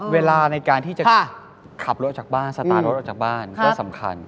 เวลาในการที่จะขับรถจากบ้านสตาร์รถออกจากบ้านก็สำคัญ